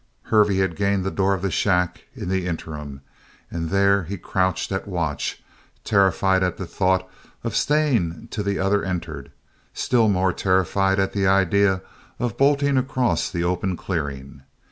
Hervey had gained the door of the shack in the interim, and there he crouched at watch, terrified at the thought of staying till the other entered, still more terrified at the idea of bolting across the open clearing.